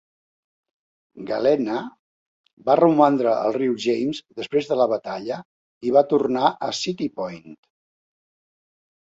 "Galena" va romandre al riu James després de la batalla i va tornar a City Point.